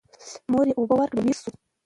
مور یې اوبه ورکړې او هوښ شو.